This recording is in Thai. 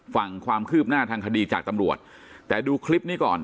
ความคืบหน้าทางคดีจากตำรวจแต่ดูคลิปนี้ก่อน